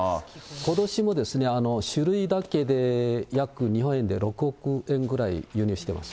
ことしもですね、酒類だけで、約、６億円ぐらい輸入してます。